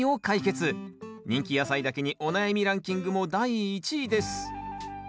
人気野菜だけにお悩みランキングも第１位です。